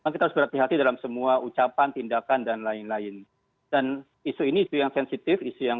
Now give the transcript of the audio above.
kita harus berhati hati dalam semua ucapan tindakan dan lain lain dan isu ini isu yang sensitif isu yang